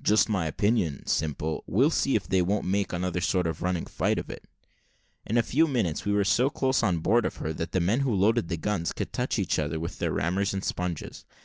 "Just my opinion, Simple; we'll see if they won't make another sort of running fight of it." In a few minutes we were so close on board of her that the men who loaded the guns could touch each other with their rammers and sponges.